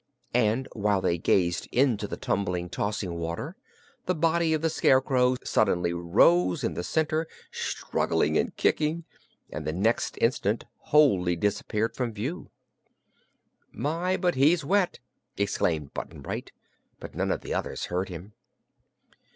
And while they gazed into the tumbling, tossing water, the body of the Scarecrow suddenly rose in the center, struggling and kicking, and the next instant wholly disappeared from view. "My, but he's wet!" exclaimed Button Bright; but none of the others heard him.